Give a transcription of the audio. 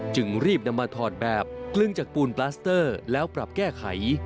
จึงรีบนำมาถอดแบบกลึงจากปูนปลาสเตอร์แล้วปรับแก้ไข